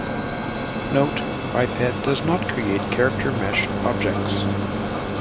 Note: Biped does not create character mesh objects.